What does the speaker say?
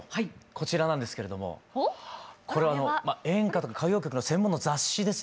こちらなんですけれどもこれは演歌とか歌謡曲の専門の雑誌ですね。